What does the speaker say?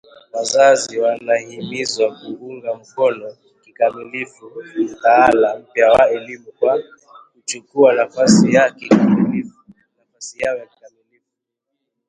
Wazazi wanahimizwa kuunga mkono kikamilifu mtaala mpya wa elimu kwa kuchukua nafasi yao kikamilifu